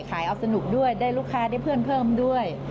ออกสนุกด้วยได้ลูกค้าได้เพื่อนเพิ่มด้วย